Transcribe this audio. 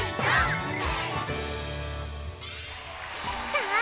さあ